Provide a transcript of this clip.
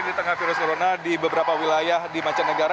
di tengah virus corona di beberapa wilayah di mancanegara